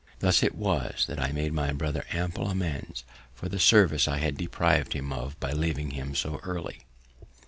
Thus it was that I made my brother ample amends for the service I had depriv'd him of by leaving him so early.